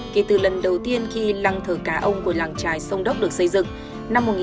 kể từ lần đầu tiên khi lăng thờ cá ông của làng trái sông đốc được xây dựng